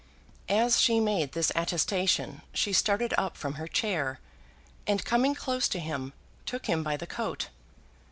As she made this attestation she started up from her chair, and coming close to him, took him by the coat.